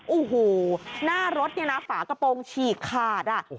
อู้หูหน้ารถฝากระโปรงฉีกขาด